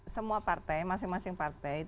semuanya masing masing partai